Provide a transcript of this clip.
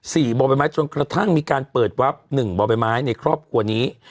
บ่อใบไม้จนกระทั่งมีการเปิดวับหนึ่งบ่อใบไม้ในครอบครัวนี้